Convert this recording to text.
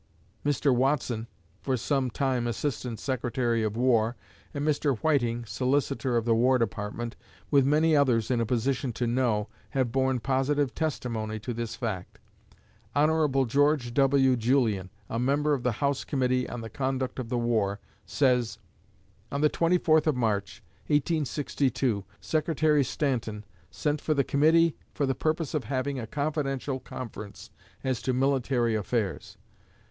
Mr. Watson, for some time Assistant Secretary of War, and Mr. Whiting, Solicitor of the War Department, with many others in a position to know, have borne positive testimony to this fact. Hon. George W. Julian, a member of the House Committee on the Conduct of the War, says: "On the 24th of March, 1862, Secretary Stanton sent for the Committee for the purpose of having a confidential conference as to military affairs.